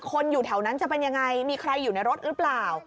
อยู่แถวนั้นจะเป็นยังไงมีใครอยู่ในรถหรือเปล่า